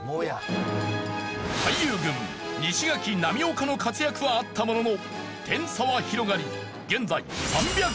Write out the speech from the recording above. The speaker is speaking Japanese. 俳優軍西垣波岡の活躍はあったものの点差は広がり現在３００点差。